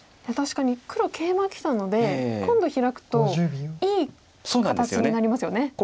確かに黒ケイマきたので今度ヒラくといい形になりますよね。